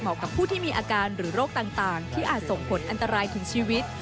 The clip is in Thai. กับผู้ที่มีอาการหรือโรคต่างที่อาจส่งผลอันตรายถึงชีวิต